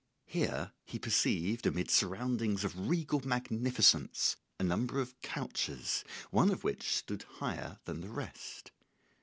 Here he perceived, amid surroundings of regal magnificence, a number of couches, one of which stood higher than the rest.